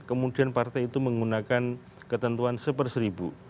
kemudian partai itu menggunakan ketentuan seper seribu